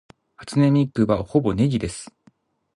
初音ミクはほぼネギです